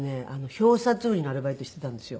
表札売りのアルバイトしていたんですよ。